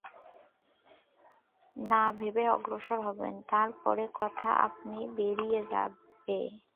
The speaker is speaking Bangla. না ভেবে অগ্রসর হবেন, তার পরে কথা আপনি বেরিয়ে যাবে।